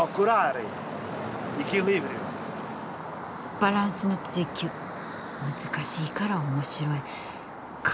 バランスの追求難しいから面白いか。